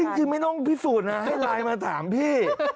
จริงไม่ต้องพิสูจน์นะให้ไลน์มาถามพี่